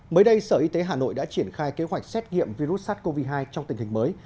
mới đây sở y tế hà nội đã triển khai kế hoạch xét nghiệm virus sars cov hai trong tình hình mới